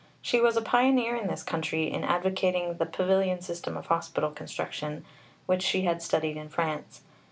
She was a pioneer in this country in advocating the "pavilion" system of hospital construction, which she had studied in France.